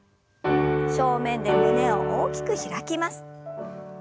正面で胸を大きく開きます。